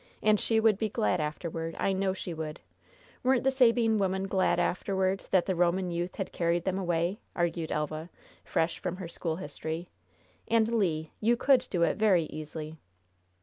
And she would be glad afterward! I know she would! Weren't the Sabine women glad afterward that the Roman youth had carried them away?" argued Elva, fresh from her school history. "And, Le, you could do it very easily!"